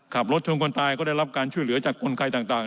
ขับรถชนคนตายก็ได้รับการช่วยเหลือจากกลไกต่าง